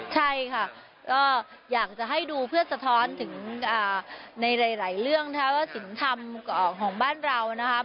ใช่ค่ะก็อยากจะให้ดูเพื่อสะท้อนถึงในหลายเรื่องนะคะว่าสินธรรมของบ้านเรานะครับ